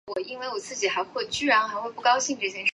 香江是一条越南中部的河流。